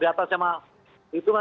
di atas sama itu